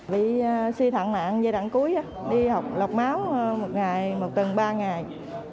bị suy thẳng nạn giai đoạn cuối đi học lọc máu một ngày một tuần ba ngày